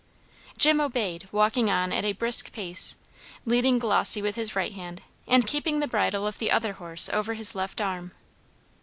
Jim obeyed, walking on at a brisk pace, leading Glossy with his right hand, and keeping the bridle of the other horse over his left arm.